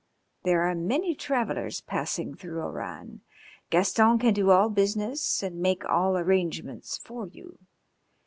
There are many travellers passing through Oran. Gaston can do all business and make all arrangements for you.